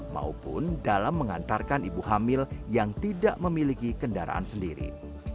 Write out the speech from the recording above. maupun dalam mengantarkan ibu hamil yang tidak memiliki kendaraan sendiri